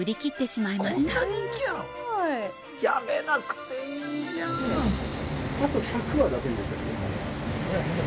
辞めなくていいじゃん。